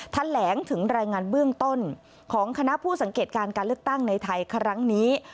แถลงถึงรายงานเบื้องต้นของคณะผู้สังเกตการการเลือกตั้งในไทยครั้งนี้